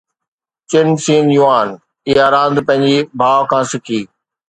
چن سين يوان اها راند پنهنجي ڀاءُ کان سکي